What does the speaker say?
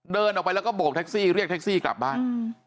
เดินออกไปแล้วก็โบกแท็กซี่เรียกแท็กซี่กลับบ้าน